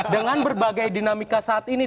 dengan berbagai dinamika saat ini